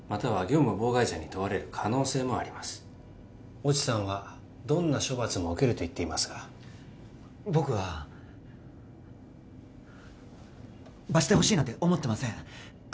越智さんはどんな処罰も受けると言っていますが僕は罰してほしいなんて思ってません